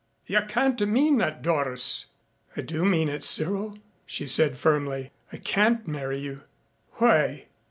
You can't mean that, Doris." "I do mean it, Cyril," she said firmly. "I can't marry you." "Why